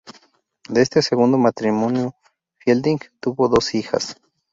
De este segundo matrimonio, Fielding tuvo dos hijas.